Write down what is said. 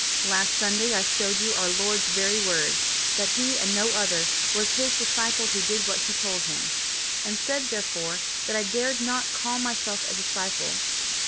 Last Sunday I showed you our Lord's very words that he, and no other, was his disciple who did what he told him, and said therefore that I dared not call myself a disciple.